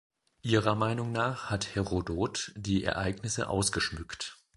Ihrer Meinung nach hat Herodot die Ereignisse ausgeschmückt.